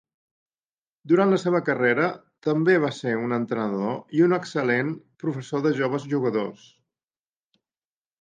Durant la seva carrera, també va ser un entrenador i un excel·lent professor de joves jugadors.